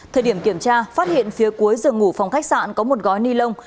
thời điểm kiểm tra phát hiện phía cuối giường ngủ phòng khách sạn có một gói ni lông